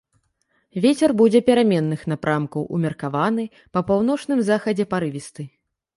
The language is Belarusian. Вецер будзе пераменных напрамкаў, умеркаваны, па паўночным захадзе парывісты.